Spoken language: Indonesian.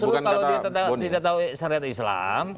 kalau dia tidak tahu syariat islam